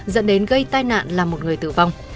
dẫn đến gây tai nạn là một người tử vong